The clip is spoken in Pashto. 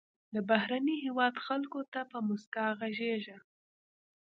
د بهرني هېواد خلکو ته په موسکا غږیږه.